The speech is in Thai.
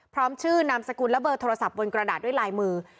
พร้อมชื่อนามสกุลและเบอร์โทรศัพท์บนกระดาษด้วยลายมือ